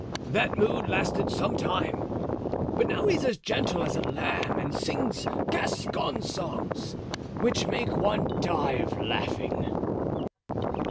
That mood lasted some time; but now he's as gentle as a lamb and sings Gascon songs, which make one die of laughing."